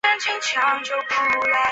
缺点为环道设计容易造成车流回堵。